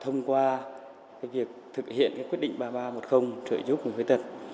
thông qua việc thực hiện quyết định ba nghìn ba trăm một mươi trợ giúp người khuyết tật